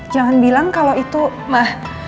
jangan bilang kalau itu mah